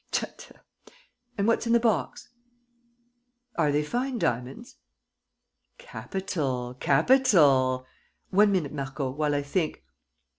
... Tut, tut! ... And what's in the box? ... Are they fine diamonds? ... Capital, capital! ... One minute, Marco, while I think.